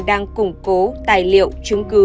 đang củng cố tài liệu chứng cứ